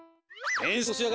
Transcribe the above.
え？